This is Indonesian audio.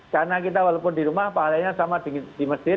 karena kita walaupun di rumah pahalanya sama di masjid